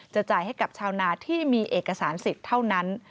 จ่ายให้กับชาวนาที่มีเอกสารสิทธิ์เท่านั้น